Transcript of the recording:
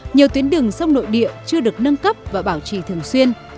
nhiều tuyến đường sông nội địa chưa được nâng cấp và bảo trì thường xuyên